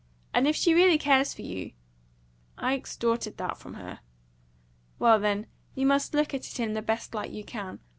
And if she really cares for you " "I extorted that from her." "Well, then, you must look at it in the best light you can.